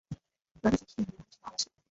長崎県南島原市